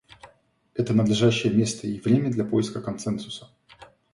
Это надлежащее место и время для поиска консенсуса.